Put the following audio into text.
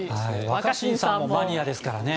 若新さんもマニアですからね。